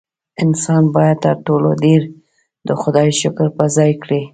انسان باید تر ټولو ډېر د خدای شکر په ځای کړي.